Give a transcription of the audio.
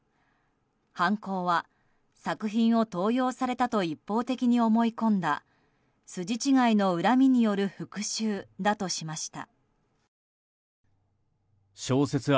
犯行は作品を盗用されたと一方的に思い込んだ筋違いの恨みによる復讐だとしました。